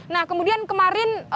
nah kemudian kemarin